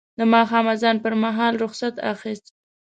د ماښام اذان پر مهال رخصت اخیست.